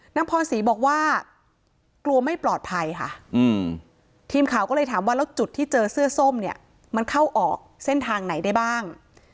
นางพรศรีบอกว่ากลัวไม่ปลอดภัยค่ะทีมข่าวก็เลยถามว่าแล้วจุดที่เจอเสื้อส้มเนี่ยมันเข้าออกเส้นทางไหนได้บ้าง